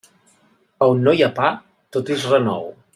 A on no hi ha pa, tot és renou.